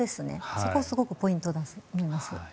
そこがすごくポイントだと思います。